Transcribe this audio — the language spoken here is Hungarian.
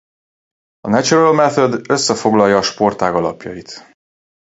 A Natural Method összefoglalja a sportág alapjait.